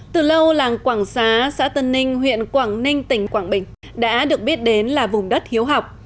từ lâu làng quảng xá xã tân ninh huyện quảng ninh tỉnh quảng bình đã được biết đến là vùng đất hiếu học